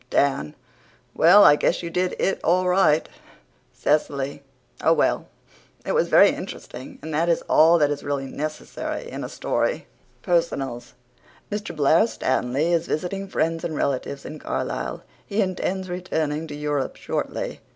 DAN: "Well, I guess you did it all right." CECILY: "Oh, well, it was very interesting, and that is all that is really necessary in a story." ) PERSONALS Mr. Blair Stanley is visiting friends and relatives in Carlisle. He intends returning to Europe shortly.